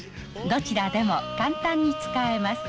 どちらでも簡単に使えます」。